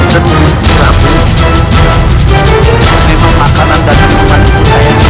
saya sudah menerima makanan dari tempat tempat saya